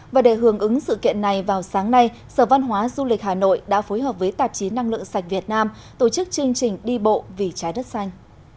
và để hưởng ứng sự kiện này vào sáng nay sở văn hóa du lịch hà nội đã phối hợp với tạp chí năng lượng sạch việt nam tổ chức chương trình đi bộ vì trái đất xanh